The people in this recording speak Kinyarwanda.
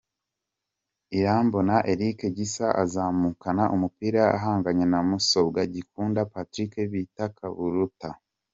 Irambona Eric Gisa azamukana umupira ahanganye na Musombwa Kikunda Patrick bita Kaburuta .